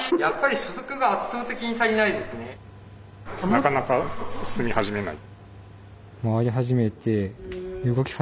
なかなか進み始めない。